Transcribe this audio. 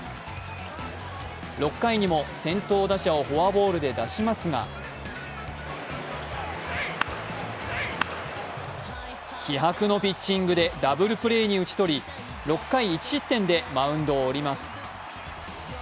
６回にも先頭打者をフォアボールで出しますが気迫のピッチングでダブルプレーに打ち取り６回１失点でマウンドを降ります。